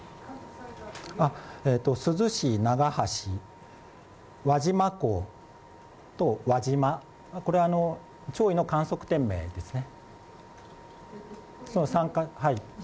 珠洲市、輪島港と輪島潮位の観測点名ですね。